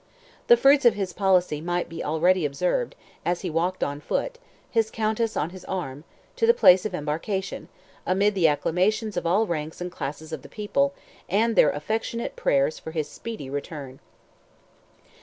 The fruits of his policy might be already observed, as he walked on foot, his countess on his arm, to the place of embarkation, amid the acclamations of all ranks and classes of the people, and their affectionate prayers for his speedy return.